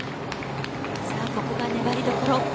ここが粘りどころ。